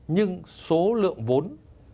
nhưng số lượng vốn